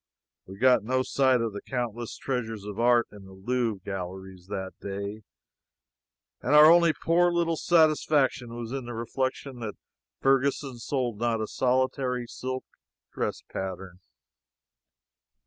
We got no sight of the countless treasures of art in the Louvre galleries that day, and our only poor little satisfaction was in the reflection that Ferguson sold not a solitary silk dress pattern.